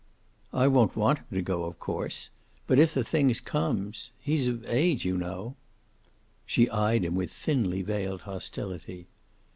"I won't want him to go, of course. But if the thing comes he's of age, you know." She eyed him with thinly veiled hostility.